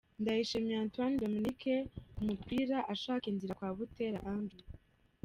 Ndayishimiye Antoine Dominique ku mupira ashaka inzira kwa Buteera Andrew.